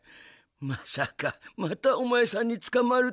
まさかまたおまえさんにつかまるとはのう。